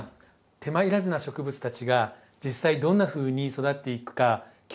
手間いらずな植物たちが実際どんなふうに育っていくか興味ありませんか？